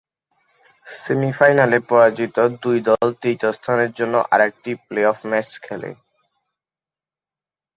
সেমি-ফাইনালে পরাজিত দুই দল তৃতীয় স্থানের জন্য আরেকটি প্লে-অফ ম্যাচ খেলে।